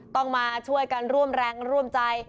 ต้องมาช่วยกันร่วมแรงร่วมใจ